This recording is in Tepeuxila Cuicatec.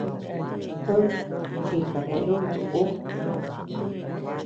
Jù, chikata yuntu ú.